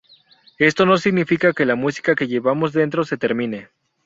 Esto no significa que la música que llevamos dentro se termine.